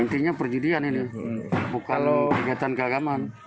intinya perjudian ini bukan kegiatan keagaman